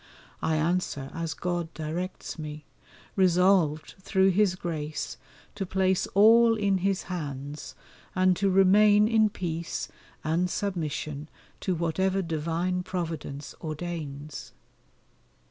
I answer as God directs me, resolved through His grace to place all in His hands and to remain in peace and submission to whatever divine Providence ordains.